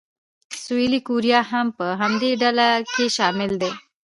سویلي کوریا هم په همدې ډله کې شامل دی.